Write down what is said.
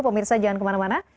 pemirsa jangan kemana mana